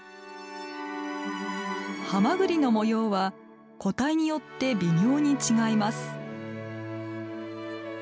ハマグリの模様は個体によって微妙に違います。